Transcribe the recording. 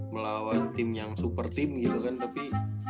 melawan tim yang super team gitu kan tapi